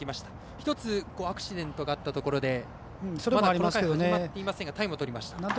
１つ、アクシデントがあったところでこの回、始まっていませんがタイムをとりました。